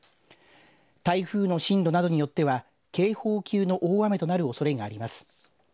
台風の進路などによっては警報級の大雨となるおそれがあります。